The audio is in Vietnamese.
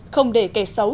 không để kẻ xấu